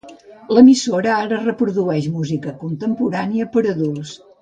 L'emissora ara reprodueix música contemporània per a adults.